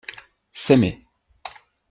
S’aimer.